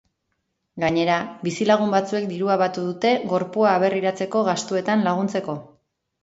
Gainera, bizilagun batzuek dirua batu dute gorpua aberriratzeko gastuetan laguntzeko.